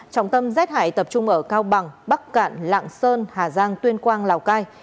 trọng tâm rét hại tập trung ở cao bằng bắc cạn lạng sơn hà giang tuyên quang lào cai